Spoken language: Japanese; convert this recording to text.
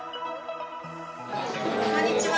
「こんにちは。